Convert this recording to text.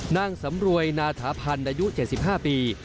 นางสำรวยนาถาพันธ์อายุ๗๕ปี